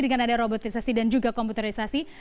dengan ada robotisasi dan juga komputerisasi